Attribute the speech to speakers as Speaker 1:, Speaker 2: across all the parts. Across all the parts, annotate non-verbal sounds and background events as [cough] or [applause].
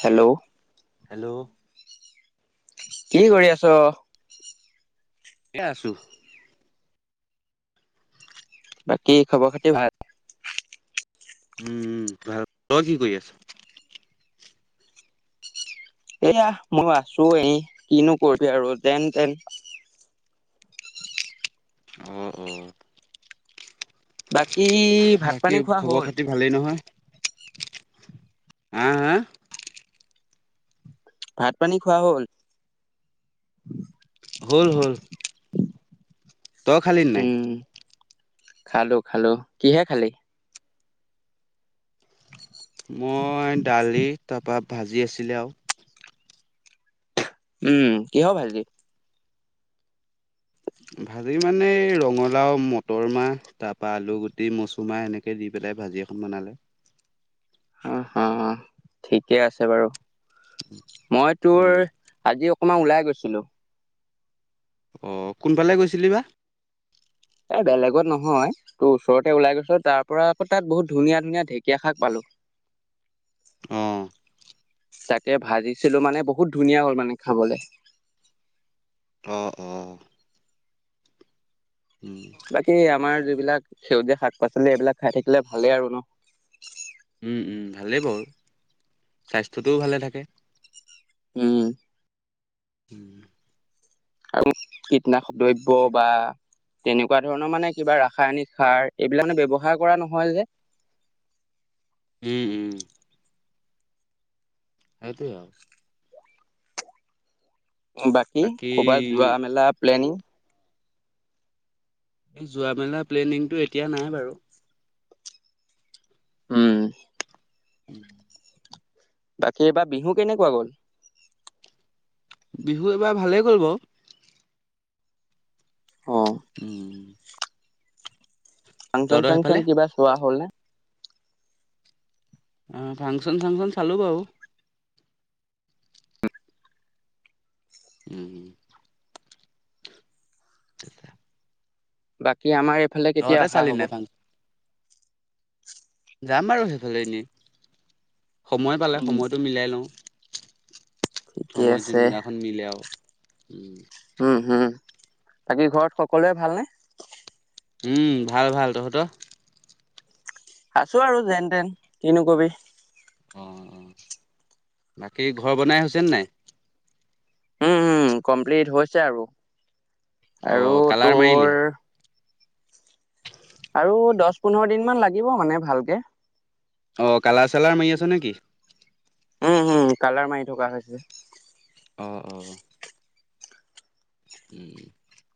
Speaker 1: Hello
Speaker 2: hello
Speaker 1: কি কৰি আছ?
Speaker 2: এ আছোঁ।
Speaker 1: বাকী খবৰ খাতি ভাল?
Speaker 2: উ উ, ভাল। তই কি কৰি আছ?
Speaker 1: এয়া মই আছোঁ এ, কিনো কৰিবি আৰু যেন তেন।
Speaker 2: অ অ।
Speaker 1: বাক কি ভাত
Speaker 2: বাকী
Speaker 1: পানী খোৱা
Speaker 2: খবৰ
Speaker 1: হ'ল?
Speaker 2: খাতি ভালেই নহয় হা হা?
Speaker 1: ভাত পানী খোৱা হ'ল?
Speaker 2: হ'ল হ'ল। তই খালি নাই?
Speaker 1: উম খালো খালো। কিহে খালি?
Speaker 2: মই দালি, তা পা ভাঁজি আছিলে আও।
Speaker 1: উম কিহৰ‌ ভাঁজি?
Speaker 2: ভাঁজি মানে ৰঙালাও, মতৰ মাহ, তাৰপা আলু গুটি মচুৰমাহ এনেকে দি পেলাই ভাঁজি এখন বনালে।
Speaker 1: অ অ, ঠিকে আছে বাৰু। মই তোৰ
Speaker 2: উম
Speaker 1: আজি কমান ওলাই গৈছিলো।
Speaker 2: অ', কোনফালে গৈছিলি বা?
Speaker 1: এ বেলেগত নহয়, তোৰ ওচৰতে ওলাই গৈছো, তাৰ পৰা আকৌ তাত বহুত ধুনীয়া ধুনীয়া ঢেকীয়া শাক পালো।
Speaker 2: অ'।
Speaker 1: চাকে ভাঁজিছিলো মানে বহুত ধুনীয়া হ'ল মানে খাবলে।
Speaker 2: অ অ। উম
Speaker 1: বাকী আমাৰ বিলাক সেউজীয়া শাক পাচলি এইবিলাক খাই থাকিলে ভালেই আৰু ন?
Speaker 2: উম উম ভালেই বাৰু। স্বাস্থ্যটোও ভালে থাকে।
Speaker 1: উম।
Speaker 2: [inaudible]
Speaker 1: আৰু কীটনাশক দ্ৰব্য বা তেনেকুৱা ধৰণৰ মানে কিবা ৰাসায়নিক সাৰ এইবিলাক ব্যৱহাৰ কৰা নহয় যে।
Speaker 2: উম উম। সেইটোৱে আও।
Speaker 1: বাকী, ক'বাত যোৱা মেলা প্লেনিং?
Speaker 2: যোৱা মেলা প্লেনিংটো এতিয়া নাই বাৰু।
Speaker 1: উম।
Speaker 2: [inaudible]
Speaker 1: বাকী এইবাৰ বিহু কেনেকুৱা গ'ল?
Speaker 2: বিহু এ'বাৰ ভালেই গ'ল বাৰু!
Speaker 1: অঁ।
Speaker 2: উম
Speaker 1: ফাংচন
Speaker 2: তহঁতৰ
Speaker 1: চাংচন
Speaker 2: সেইফালে
Speaker 1: কিবা চোৱা হ'ল নে।
Speaker 2: অ ফাংচন চাংচন চালো বাৰু। উম হম চাহ খালা
Speaker 1: বাকী আমাৰ এইফালে কেতিয়া অহা
Speaker 2: চালি নাই
Speaker 1: হ'ব
Speaker 2: ফাংচন যাম আৰু সেইফালে এনেই সময় পালে
Speaker 1: উম,
Speaker 2: সময়টো মিলাই লওঁ
Speaker 1: ঠিকে
Speaker 2: সময়
Speaker 1: আছে
Speaker 2: জোনদিনাখন মিলে আৰু উম
Speaker 1: উম হম বাকী ঘৰত সকলোৱে ভালনে
Speaker 2: উম ভাল ভাল তহঁতৰ
Speaker 1: আছো আৰু যেন তেন কিনো কবি
Speaker 2: অ অ বাকী ঘৰ বনাই হৈছেনে নাই
Speaker 1: উম, উম কমপ্লিট হৈছে আৰু
Speaker 2: অ
Speaker 1: আৰু
Speaker 2: কালাৰ
Speaker 1: তোৰ
Speaker 2: মাৰিলি
Speaker 1: আৰু দহ পোন্ধৰ দিন মান লাগিব মানে ভালকে
Speaker 2: অ কালাৰ চালাৰ মাৰি আছ নেকি?
Speaker 1: উম হুম কালাৰ মাৰি থকা হৈছে।
Speaker 2: অঁ অঁ। [unintelligible]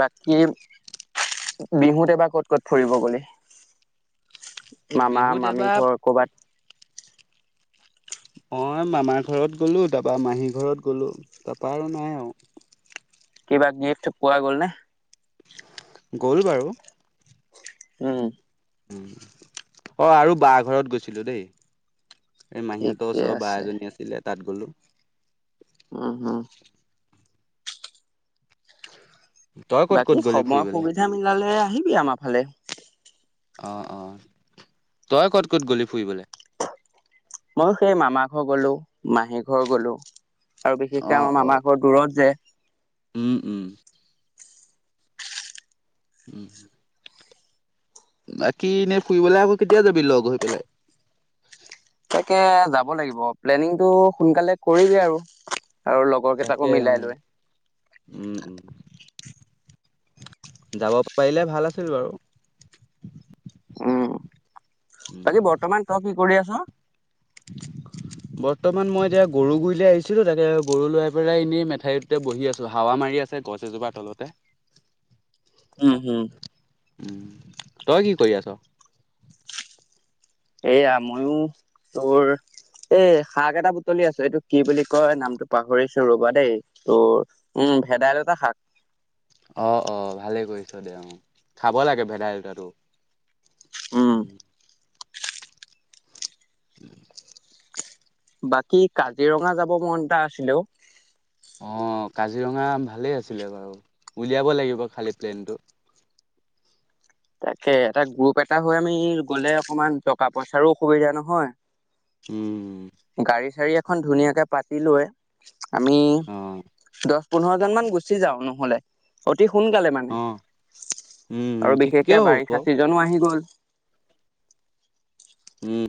Speaker 1: বাকী বিহুত এবাৰ ক'ত ক'ত ফুৰিব গলি? মামা
Speaker 2: বিহুত
Speaker 1: মামী
Speaker 2: এবাৰ
Speaker 1: ঘৰ কৰ'বাত
Speaker 2: মই মামাৰ ঘৰত গ'লোঁ তাৰপা মাহীৰ ঘৰত গ'লোঁ তাৰপা আৰু নাই আৰু
Speaker 1: কিবা গিফ্ট পোৱা গ'ল নে
Speaker 2: গ'ল বাৰু
Speaker 1: উম
Speaker 2: অ আৰু বা ঘৰত গৈছিলো দেই। এই মাহীহঁতৰ
Speaker 1: ঠিকে
Speaker 2: ওচৰ বা
Speaker 1: আছে
Speaker 2: এজনী আছিলে তাত গ'লোঁ।
Speaker 1: উম উম।
Speaker 2: তই ক'ত
Speaker 1: বাকী
Speaker 2: ক'ত গ'লি
Speaker 1: সময়
Speaker 2: ফুৰিবলে?
Speaker 1: সুবিধা মিলালে আহিবি আমাৰ ফালে
Speaker 2: অ অ তই ক'ত ক'ত গলি ফুৰিবলৈ
Speaker 1: মই সেই মামা ঘৰ গলো মাহী ঘৰ গলো আৰু বিশেষকে
Speaker 2: অ',
Speaker 1: আমাৰ
Speaker 2: অ'।
Speaker 1: মামাৰ ঘৰত দূৰত যে।
Speaker 2: উম, উম, [inaudible] বাকী এনেই ফুৰিবলে আকৌ কেতিয়া যাবি লগ হৈ পেলাই
Speaker 1: তাকে যাব লাগিব প্লেনিংটো সোনকালে কৰি দে আৰু আৰু লগৰ কেইটাকো
Speaker 2: তাকে অ',
Speaker 1: মিলাই লৈ।
Speaker 2: উম, উম, যাব পাৰিলে ভাল আছিল বাৰু।
Speaker 1: উম বাকী বৰ্তমান তই কি কৰি আছ?
Speaker 2: বৰ্তমান মই এতিয়া গৰু গুৰি লৈ আহিছিলো, তাকে গৰু লৈ পেলাই এনেই মেঠাইতে বহি আছো হাৱা মাৰি আছে গছ এজোপা তলতে।
Speaker 1: উম উম।
Speaker 2: তই কি কৰি আছ?
Speaker 1: এয়া মইয়ো তোৰ এই শাক এটা বুটলি আছে, এইটো কি বুলি কয়, নামটো পাহৰিছো ৰবা দেই, তোৰ উম ভেদাইলতা শাক।
Speaker 2: অ' অ' ভালে কৰিছ দে অ' খাব লাগে ভেদাইলতাটো।
Speaker 1: উম
Speaker 2: [inaudible] [inaudible]
Speaker 1: বাকী কাজিৰঙা যাব মন এটা আছিলে অ'।
Speaker 2: অ' কাজিৰঙা ভালেই আছিলে বাৰু, উলিয়াব লাগিব খালি প্লেনটো।
Speaker 1: তাকে এটা গ্ৰুপ এটা হৈ আমি গ'লে অকনমান টকা পইচাৰো অসুবিধা নহয়।
Speaker 2: উম।
Speaker 1: গাড়ী এখন ধুনীয়াকে পাতি লৈ। আমি
Speaker 2: অ',
Speaker 1: দহ পোন্ধৰ জন মান গুচি যাওঁ নহলে। অতি সোনকালে মানে,
Speaker 2: অ', উম,
Speaker 1: আৰু বিশেষ
Speaker 2: ঠিকেই
Speaker 1: এতিয়া
Speaker 2: হ'ব
Speaker 1: বাৰিষা চিজনো আহি হি গ'ল
Speaker 2: উম।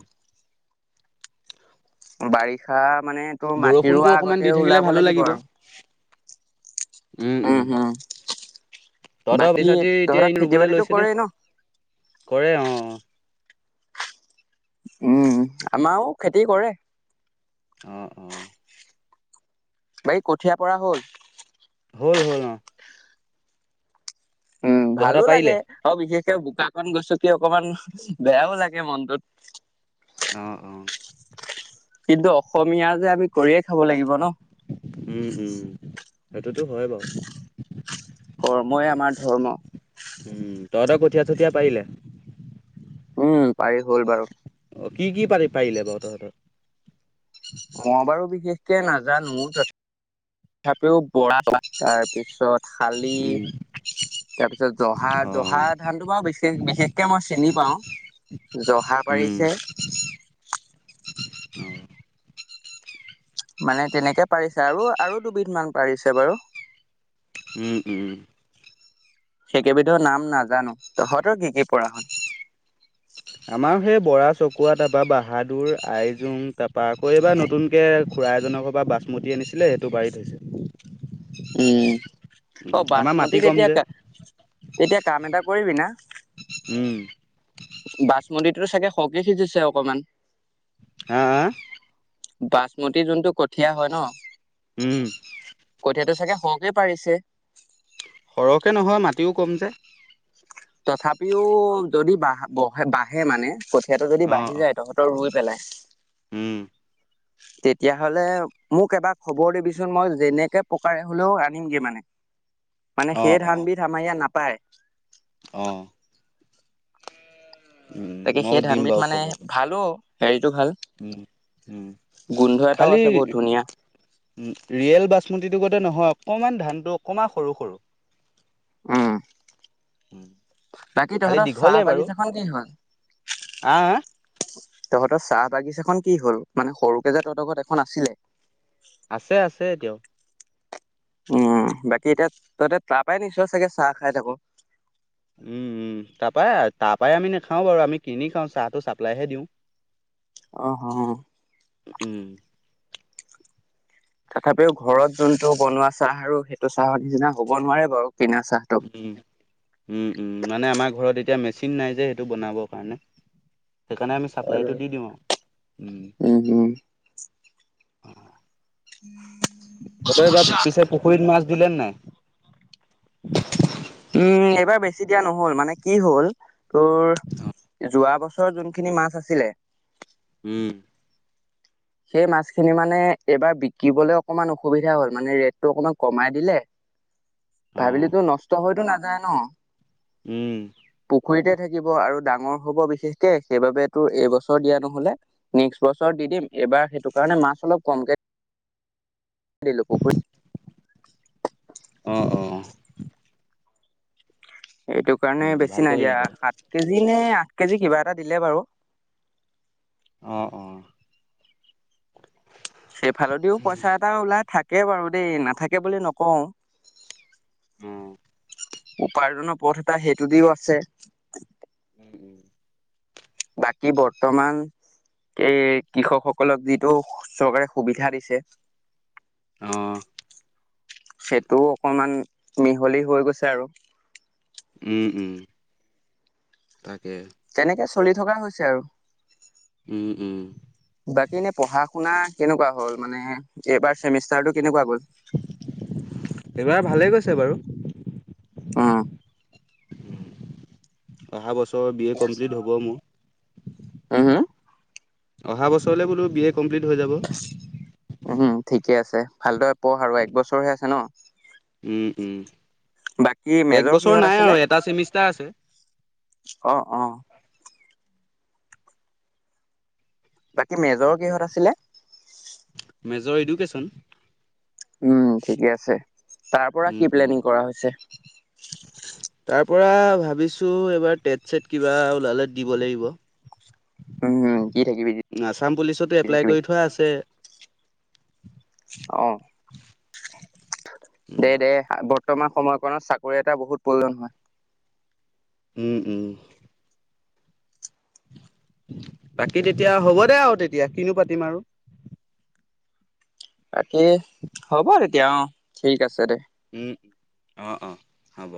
Speaker 1: বাৰিষা মানে তোৰ মাটি
Speaker 2: বৰষুণটো
Speaker 1: ৰোৱা
Speaker 2: অকমান দি
Speaker 1: আগতে
Speaker 2: থাকিলে
Speaker 1: ওলাব
Speaker 2: ভালো
Speaker 1: লাগিব আৰু।
Speaker 2: উম উম তহত [unintelligible]
Speaker 1: বাকী
Speaker 2: এতিয়া
Speaker 1: তহঁতৰ খেতি
Speaker 2: ৰুবলৈ
Speaker 1: বাতিটো
Speaker 2: লৈছেনে
Speaker 1: কৰেই ন
Speaker 2: কৰে অ'
Speaker 1: উম আমাৰো খেতি কৰে।
Speaker 2: অ' অ'।
Speaker 1: বাকী কঠিয়া পৰা হ'ল?
Speaker 2: হ'ল হ'ল অ'।
Speaker 1: উম ভালো
Speaker 2: তহঁতৰ
Speaker 1: লাগে,
Speaker 2: পাৰিলে?
Speaker 1: অ' বিশেষ তেও বোকা পানী গছকি অকমান বেয়াও লাগে মনটোত।
Speaker 2: অ' অ'।
Speaker 1: কিন্তু অসমীয়া যে আমি কৰিয়ে খাব লাগিব ন।
Speaker 2: উম উম। সেইটোতো হয় বাৰু।
Speaker 1: কৰ্মই আমাৰ ধৰ্ম।
Speaker 2: তহতৰ কঠীয়া চঠীয়া পাৰিলে?
Speaker 1: উম পাৰি হ'ল বাৰু।
Speaker 2: অ' কি কি পাৰি পাৰিলে বাৰু তহঁতৰ?
Speaker 1: অ বাৰু বিশেষকে নাজানো তথাপিও বৰা পা [unintelligible] তাৰপিছত খালি
Speaker 2: উম,
Speaker 1: তাৰপিছত জহা জহা
Speaker 2: অ',
Speaker 1: ধানটো বাওঁ বিশেষ বিশেষকে মই চিনী পাওঁ জহা
Speaker 2: উম,
Speaker 1: পাৰিছে
Speaker 2: [unintelligible]
Speaker 1: মানে তেনেকে পাৰিছে আৰু আৰু দুবিধ মান পাৰিছে বাৰু।
Speaker 2: উম, উম,
Speaker 1: সেইকেইবিধ নাম নাজানো তহঁতৰ কি-কি পৰা হ'ল।
Speaker 2: আমাৰ সেই বৰা চকুৱা তাৰপৰা বাহাদুৰ আইজোং তাৰপা আকৌ এইবাৰ নতুনকে খুৰা এজনৰ বা বাচমতি আনিছিলে সেইটো পাৰি থৈছো।
Speaker 1: উম অ, বাচমতিত এতিয়া কা এতিয়া কাম এটা কৰিবি না?
Speaker 2: উম
Speaker 1: বাচমতিটো চাগে সৰকে সিজিছে অকমান?
Speaker 2: হা হা
Speaker 1: বাচমতি যোনটো কঠীয়া হয় ন,
Speaker 2: উম,
Speaker 1: সিহেতু চাগে চৰকেই পাৰিছে।
Speaker 2: সৰহকে নহয় মাটিও কম যে।
Speaker 1: তথাপিও যদি বা বহে বাঢ়ে মানে। কঠীয়া তো যদি
Speaker 2: অ
Speaker 1: বাঢ়ি
Speaker 2: অ
Speaker 1: যায় তহঁতৰ ৰুই, পেলাই।
Speaker 2: উম,
Speaker 1: তেতিয়াহ'লে মোক এবাৰ খবৰ দিবিচোন মই যেনেকে পকাৰে হলেও আনিমগে মানে। মানে
Speaker 2: অ
Speaker 1: সেই
Speaker 2: অ
Speaker 1: ধানবিধ আমাৰ ইয়াত নাপ পায়।
Speaker 2: অ', উম
Speaker 1: তাকে
Speaker 2: মই
Speaker 1: সেই
Speaker 2: দিম
Speaker 1: ধানবিধ
Speaker 2: বাৰু
Speaker 1: মানে
Speaker 2: খবৰটো
Speaker 1: ভালো সেইত
Speaker 2: উম উম
Speaker 1: গোন্ধ এটাও
Speaker 2: খালি
Speaker 1: আছে বহুত ধুনীয়া
Speaker 2: ৰিয়েল বাছ [unintelligible] মতিটোগতে নহয় অকমান ধানটো অকমান সৰু সৰু
Speaker 1: উম
Speaker 2: উম
Speaker 1: বাকী
Speaker 2: খালি
Speaker 1: তহঁতৰ চাহ
Speaker 2: দীঘলেই বাৰু
Speaker 1: বাগিছাখন কি হ'ল
Speaker 2: হা হা
Speaker 1: তহঁতৰ চাহ বাগিছাখন কি হল মানে সৰুকে যে তহঁত ঘত এখন আছিলে
Speaker 2: আছে আছে এতিয়াও
Speaker 1: উম বাকী এতিয়া তইতো তাৰ পাই নিছ চাগে চাহ খাই থাকো
Speaker 2: উম উম তাৰ পাই তাৰ পাই আমি নাখাওঁ বাৰু আমি কিনি খাওঁ চাহটো চাপ্লাইহে দিওঁ
Speaker 1: অহ অহ
Speaker 2: উম,
Speaker 1: তথাপিও ঘৰত যোনটো বনোৱা চাহ আৰু সেইটো চাহৰ নিচিনা হব নোৱাৰে বাৰু কিনা চাহটো
Speaker 2: উম উম উম মানে আমাৰ ঘৰত এ এতিয়া মেচিন নাই যে সেইটো বনাবৰ কাৰণে সেইকাৰণে আমি চাপ্লাইটো দি দিওঁ আও উম [unintelligible]
Speaker 1: উম।
Speaker 2: তাৰপৰা এইবাৰ পিছে পুখুৰীত মাছ দিলে নে নাই?
Speaker 1: উম এইবাৰ বেছি দিয়া নহল মানে কি হ'ল তোৰ, যোৱা বছ যোনখিনি মাছ আছিলে
Speaker 2: উম
Speaker 1: সেই মাছখিনি মানে এইবাৰ বিকিবলৈ অকণমান অসুবিধা হল মানে ৰেটটো অকমান কমাই দিলে
Speaker 2: অ',
Speaker 1: ভাবিলো নষ্ট হৈতো নাযায় ন।
Speaker 2: উম,
Speaker 1: পুখুৰীতে থাকিব আৰু ডাঙৰ হ'ব বিশেষকে সেইবাবে তোৰ এইবছৰ দিয়া নহলে নেক্সট বছৰ দি দিম এইবাৰ সেইটো কাৰণে মাছ অলপ কমকে দিলো পুখুৰী [inaudible]
Speaker 2: অঁ অঁ।
Speaker 1: এইটো কাৰণে বেছি
Speaker 2: ভাল
Speaker 1: নাই দিয়া,
Speaker 2: কৰিলি বাৰু
Speaker 1: সাত কে জি নে আঠ কেজি কিবা এটা দিলে বাৰু।
Speaker 2: অঁ অঁ।
Speaker 1: সেইফালদিও পইচা এটা ওলাই থাকে। থাকে বাৰু দেই নাথাকে বুলি নকওঁ।
Speaker 2: উম,
Speaker 1: উপাৰ্জনৰ পথ এটা সেইটো দিও আছে।
Speaker 2: উম উম।
Speaker 1: বাকী বৰ্তমান এই কৃষকসকলক যিটো চৰকাৰে সুবিধা দিছে।
Speaker 2: উম।
Speaker 1: সেইটোও অকনমান মিহলি হৈ গৈছে আৰু।
Speaker 2: উম, উম, তাকে।
Speaker 1: তেনেকে চলি থকা হৈছে আৰু।
Speaker 2: উম, উম,
Speaker 1: বাকী ইনে পঢ়া শু। শুনা কেনেকুৱা হ'ল মানে এইবাৰ চেমিষ্টাৰ টো কেনেকুৱা গ'ল।
Speaker 2: এইবাৰ ভালেই গৈছে বাৰু।
Speaker 1: আহ।
Speaker 2: অহা বছৰ চৰ বি এ কমপ্লিট হ'ব
Speaker 1: উম,
Speaker 2: মোৰ।
Speaker 1: হুম
Speaker 2: অহা বছৰলে বোলো বি এ কমপ্লিট। হৈ যাব।
Speaker 1: উম ঠিকে আছে ভালদৰে পঢ় আৰু এক বছৰহে আছে ন।
Speaker 2: উম উম।
Speaker 1: বাকী
Speaker 2: এক
Speaker 1: মেজৰ
Speaker 2: বছৰ
Speaker 1: কিহত
Speaker 2: নাই আৰু
Speaker 1: আছিলে
Speaker 2: এটা চেমিষ্টাৰ আছে,
Speaker 1: অ অ। বাকী মেজৰ
Speaker 2: তাকে,
Speaker 1: কিহঁত আছিলে।
Speaker 2: দৰ এডুকেশ্যন।
Speaker 1: উম ঠিকে আছে। তাৰ পৰা
Speaker 2: উম,
Speaker 1: কি
Speaker 2: উম।
Speaker 1: প্লেনিং কৰা হৈছে।
Speaker 2: তাৰ পৰা ভাবিছো এইবাৰ টেট চেট কিবা ওলালে দিব লাগিব।
Speaker 1: উম, দি থাকিবি দি
Speaker 2: আছাম পুলিচতো এপ্লাই
Speaker 1: থাকিবি
Speaker 2: কৰি থোৱা আছে।
Speaker 1: অ। দে দে। বৰ্তমান সময়কণত চাকৰি এটা বহুত প্ৰয়োজন হয়।
Speaker 2: উম উম। বাকী তেতিয়া হ'ব দে আও তেতিয়া কিনো পাতিম আৰু।
Speaker 1: বাকী হ'বই। এ অ ঠিক আছে দে।
Speaker 2: উম অ অ হ'ব।